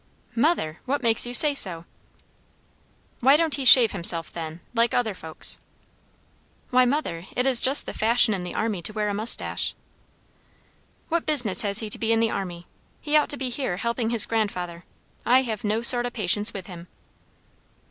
"Mother! what makes you say so?" "Why don't he shave himself then, like other folks?" "Why, mother, it is just the fashion in the army to wear a moustache." "What business has he to be in the army? He ought to be here helping his grandfather. I have no sort o' patience with him."